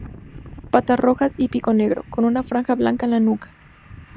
Patas rojas, y pico negro; con una franja blanca en la nuca.